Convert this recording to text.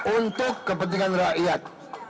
untuk kepentingan rakyat